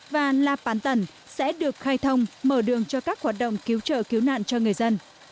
và la bán tần sẽ được khai thông mở đường cho các hoạt động cứu trợ cứu nạn cho người dân